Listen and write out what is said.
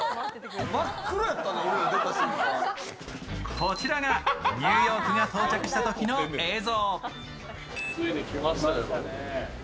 こちらがニューヨークが到着したときの映像。